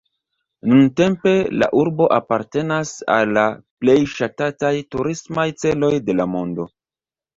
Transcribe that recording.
Nuntempe la urbo apartenas al la plej ŝatataj turismaj celoj de la mondo.